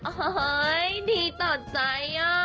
โอ้โฮดีต่อใจอ่ะ